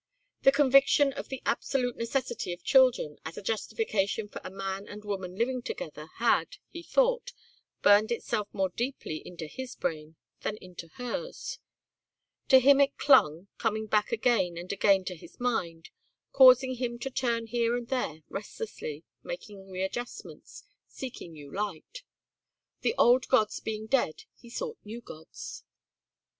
The conviction of the absolute necessity of children as a justification for a man and woman living together had, he thought, burned itself more deeply into his brain than into hers; to him it clung, coming back again and again to his mind, causing him to turn here and there restlessly, making readjustments, seeking new light. The old gods being dead he sought new gods.